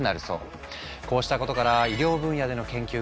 こうしたことから医療分野での研究が進んでいる。